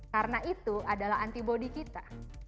karena itu adalah antibody kita